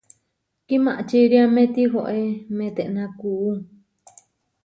Kimačiriáme tihoé metená kuú.